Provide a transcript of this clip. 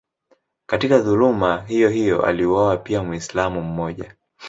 Katika dhuluma hiyohiyo aliuawa pia Mwislamu mmoja.